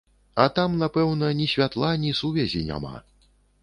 А там, напэўна, ні святла, ні сувязі няма.